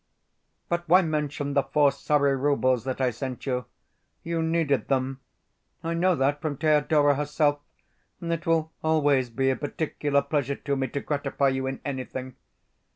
But why mention the four sorry roubles that I sent you? You needed them; I know that from Thedora herself, and it will always be a particular pleasure to me to gratify you in anything.